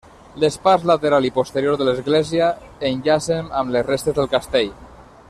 Les parts lateral i posterior de l'església enllacen amb les restes del castell.